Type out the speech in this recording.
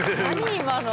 今の。